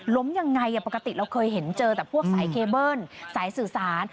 ยังไงปกติเราเคยเห็นเจอแต่พวกสายเคเบิ้ลสายสื่อสาร